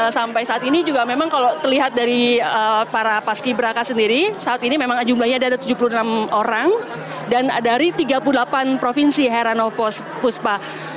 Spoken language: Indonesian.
sampai saat ini juga memang kalau terlihat dari para paski beraka sendiri saat ini memang jumlahnya ada tujuh puluh enam orang dan dari tiga puluh delapan provinsi herano buspa